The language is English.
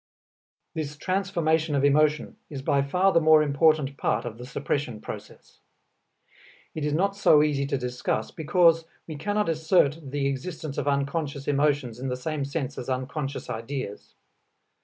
This transformation of emotion is by far the more important part of the suppression process. It is not so easy to discuss, because we cannot assert the existence of unconscious emotions in the same sense as unconscious ideas.